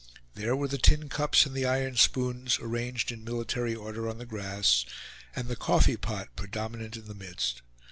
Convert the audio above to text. There were the tin cups and the iron spoons, arranged in military order on the grass, and the coffee pot predominant in the midst.